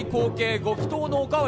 ご祈とうのおかわり。